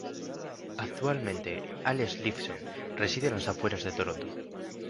Actualmente, Alex Lifeson reside en las afueras de Toronto.